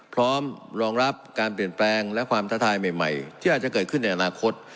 พร้อมรองรับการเปลี่ยนแปลงและความท้าทายใหม่ที่อาจจะเกิดขึ้นในอนาคต